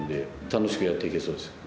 楽しくやって行けそうです。